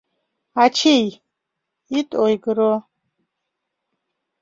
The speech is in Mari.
Ачий, ит ойгыро...